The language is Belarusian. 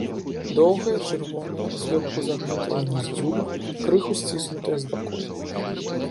Доўгая, чырвоная, злёгку загнутая ўніз дзюба, крыху сціснутая з бакоў.